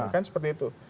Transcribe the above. kan seperti itu